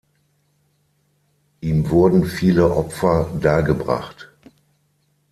Ihm wurden viele Opfer dargebracht.